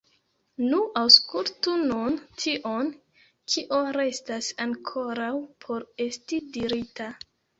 Nu, aŭskultu nun tion, kio restas ankoraŭ por esti dirita.